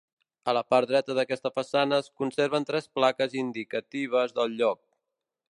A la part dreta d'aquesta façana es conserven tres plaques indicatives del lloc.